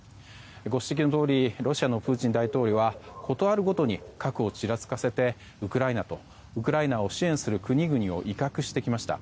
ご指摘のとおりロシアのプーチン大統領はことあるごとに核をちらつかせてウクライナとウクライナを支援する国々を威嚇してきました。